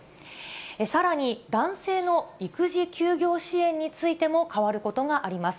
さらに、男性の育児休業支援についても変わることがあります。